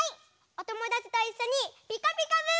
おともだちといっしょに「ピカピカブ！」